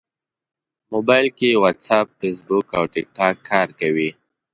موبایل کې واټساپ، فېسبوک او ټېکټاک کار کوي.